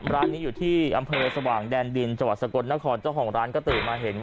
ร้านนี้อยู่ที่อำเภอสว่างแดนดินจังหวัดสกลนครเจ้าของร้านก็ตื่นมาเห็น